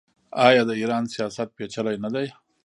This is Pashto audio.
آیا د ایران سیاست پیچلی نه دی؟